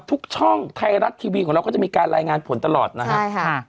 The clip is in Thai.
ทุกช่องไทยรัฐทีวีของเราก็จะมีการรายงานผลตลอดนะครับใช่ค่ะ